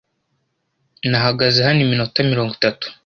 Nahagaze hano iminota mirongo itatu.